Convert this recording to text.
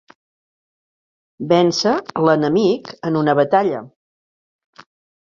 Vèncer l'enemic en una batalla.